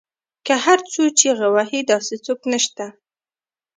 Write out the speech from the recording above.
که هر څو چیغې وهي داسې څوک نشته